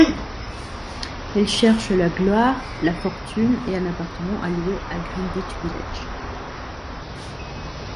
Elles cherchent la gloire, la fortune et un appartement à louer à Greenwich Village.